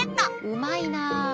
うまいな。